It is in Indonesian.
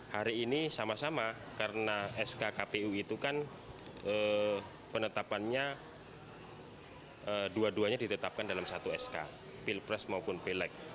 hari ini sama sama karena sk kpu itu kan penetapannya dua duanya ditetapkan dalam satu sk pilpres maupun pileg